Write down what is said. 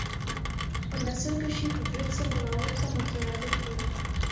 اور نسل کشی قدرت سے بغاوت کا مترادف ہونا